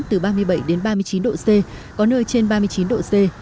từ ba mươi bảy đến ba mươi chín độ c có nơi trên ba mươi chín độ c